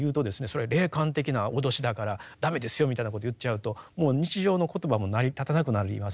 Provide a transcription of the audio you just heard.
それは霊感的な脅しだから駄目ですよみたいなこと言っちゃうともう日常の言葉も成り立たなくなりますよね。